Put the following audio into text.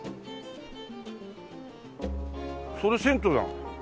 それ銭湯だ。